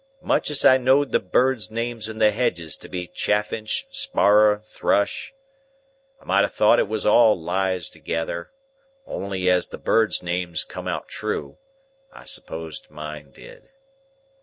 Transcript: Much as I know'd the birds' names in the hedges to be chaffinch, sparrer, thrush. I might have thought it was all lies together, only as the birds' names come out true, I supposed mine did.